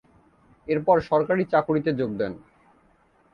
এরপর সরকারি চাকুরীতে যোগ দেন।